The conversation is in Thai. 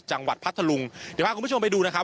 จังหวัดพัทธรรมเดี๋ยวพาคุณผู้ชมไปดูนะครับ